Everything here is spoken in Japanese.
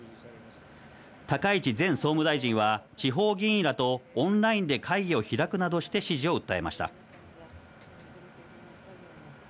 高市前総務大臣は、地方議員らとオンラインで会議を開くなどして支持を訴えました。